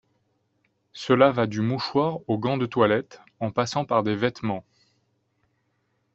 Cela va du mouchoir au gant de toilette, en passant par des vêtements.